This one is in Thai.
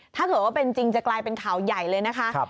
ถ้าเกิดว่าเป็นจริงจะกลายเป็นข่าวใหญ่เลยนะคะ